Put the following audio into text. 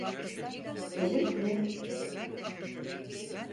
Evli misiniz?